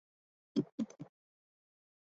滇南狸尾豆为豆科狸尾豆属下的一个种。